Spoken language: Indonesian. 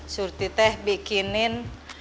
surti teh bikinin